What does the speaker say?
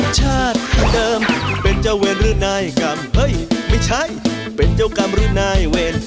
ชาติเดิมเป็นเจ้าเวรหรือนายกรรมเฮ้ยไม่ใช่เป็นเจ้ากรรมหรือนายเวร